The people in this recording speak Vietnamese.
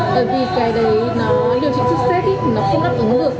tại vì cái đấy nó điều trị sốt z nó không nắp ứng được